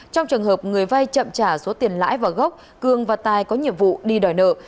trong trường hợp người vay chậm trả số tiền lãi vào gốc cường và tài có nhiệm vụ đi đòi nợ